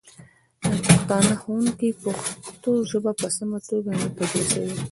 ناپښتانه ښوونکي پښتو ژبه په سمه توګه نه تدریسوي